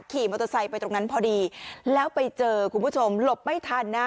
ขี่มอเตอร์ไซค์ไปตรงนั้นพอดีแล้วไปเจอคุณผู้ชมหลบไม่ทันนะ